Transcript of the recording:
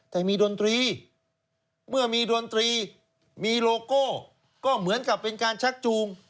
แต่มีดนตรีเมื่อมีดนตรีมีโลโก้ก็เหมือนกับเป็นการชักจูง